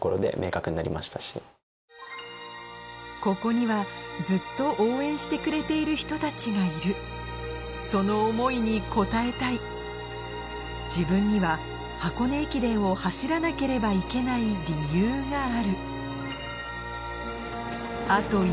ここにはずっと応援してくれている人たちがいるその思いに応えたい自分には箱根駅伝を走らなければいけない理由があるあと